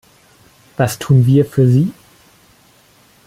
Was tun wir für sie?